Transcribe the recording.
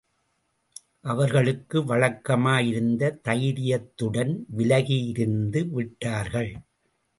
அவர்களுக்கு வழக்கமாயிருந்த தைரியத்துடன் விலகியிருந்து விட்டார்கள்.